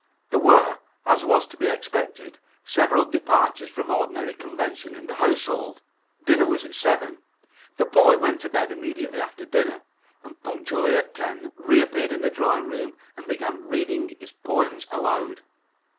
There were, as was to be expected, several departures from ordinary convention in the household. Dinner was at seven. The poet went to bed immediately after dinner, and punctually at ten reappeared in the drawing room and began reading his poems aloud.